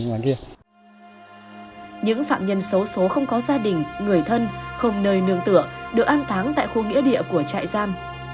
những phạm nhân xấu xố không có gia đình người thân không nơi nương tựa được an táng tại khu nghĩa địa của trại giam